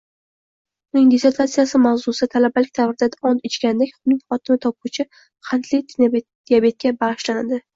Uning dissertatsiyasi mavzusi, talabalik davrida ont ichganidek, xunuk xotima topuvchi qandli diabetga bag‘ishlandi